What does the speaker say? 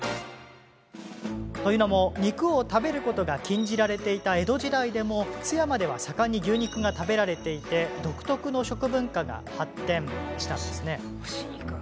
肉を食べることが禁じられていた江戸時代でも、津山では盛んに牛肉が食べられていて独特の食文化が発展しました。